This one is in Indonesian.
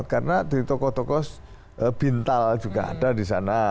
karena di tokoh tokoh bintal juga ada di sana